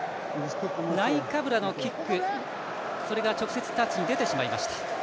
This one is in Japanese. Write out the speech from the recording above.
ナイカブラのキック、それが直接タッチに出てしまいました。